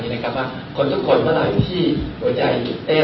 ดูที่ด้านคุณทุกคนและหัวใจ